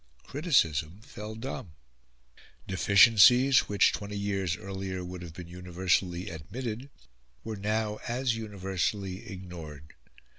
Criticism fell dumb; deficiencies which, twenty years earlier, would have been universally admitted, were now as universally ignored.